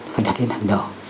phải đặt lên hàng đầu